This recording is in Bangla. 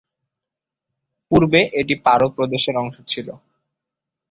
পূর্বে এটি পারো প্রদেশের অংশ ছিল।